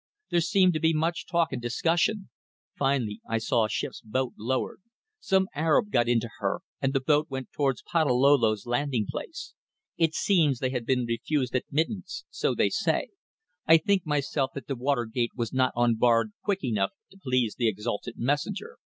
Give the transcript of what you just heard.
There seemed to be much talk and discussion. Finally I saw a ship's boat lowered. Some Arab got into her, and the boat went towards Patalolo's landing place. It seems they had been refused admittance so they say. I think myself that the water gate was not unbarred quick enough to please the exalted messenger.